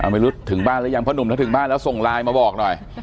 ไม่รู้ถึงบ้านหรือยังพ่อหนุ่มถ้าถึงบ้านแล้วส่งไลน์มาบอกหน่อย